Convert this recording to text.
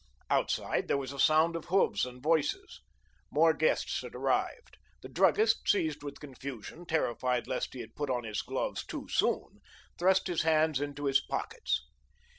Outside there was a sound of hoofs and voices. More guests had arrived. The druggist, seized with confusion, terrified lest he had put on his gloves too soon, thrust his hands into his pockets.